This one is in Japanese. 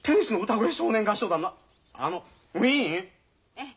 ええ。